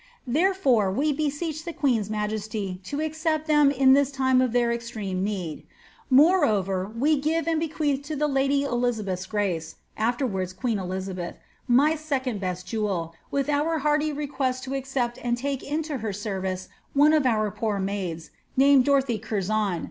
Therefore we beseech the queen's miyesty 0 to accept them in this time of their extreme need. JMoreover, we give and lequeath to the lady Elizabeth's grace [aftenoardt queen Elizabeth] my second lett jewel, with our hearty request to accept and take into her service one of «r poor maids, named Dorothy Curzon.